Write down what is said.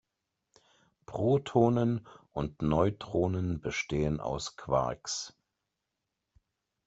Protonen und Neutronen bestehen aus Quarks.